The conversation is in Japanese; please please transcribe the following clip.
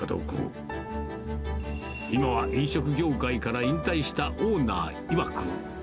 今は飲食業界から引退したオーナーいわく。